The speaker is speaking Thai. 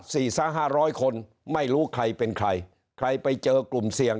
สี่แสนห้าร้อยคนไม่รู้ใครเป็นใครใครไปเจอกลุ่มเสี่ยง